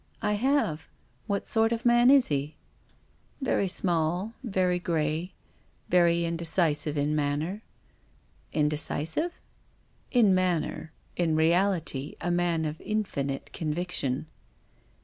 " I have. What sort of man is he? "" Very small, very grey, very indecisive in man f * ncr. " Indecisive ?" "In manner. In reality a man of infinite con viction."